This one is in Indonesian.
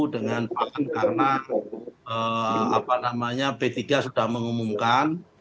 dengan bahkan karena b tiga sudah mengumumkan